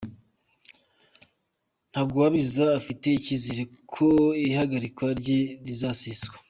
Ntagwabira afite icyizere ko ihagarikwa rye rizaseswa